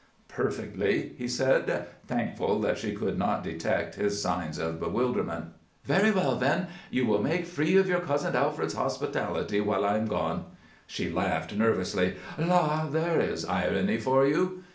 "Perfectly!" he said, thankful that she could not detect his signs of bewilderment. "Very well, then. You will make free of your cousin Alfred's hospitality while I am gone." She laughed nervously. "La! There is irony for you."